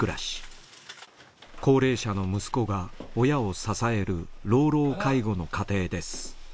高齢者の息子が親を支える老老介護の家庭です。